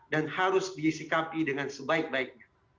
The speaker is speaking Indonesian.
dan harus disikapi dengan sebaik baiknya